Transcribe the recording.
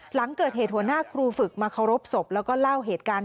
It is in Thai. หลังเกิดเหตุหัวหน้าครูฝึกมาเคารพศพแล้วก็เล่าเหตุการณ์